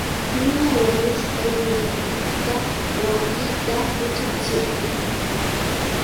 Nuna wañushqa yurinqanpita wawqiita huchachirqan.